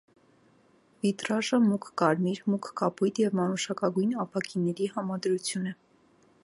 Վիտրաժը մուգ կարմիր, մուգ կապույտ և մանուշակագույն ապակիների համադրություն է։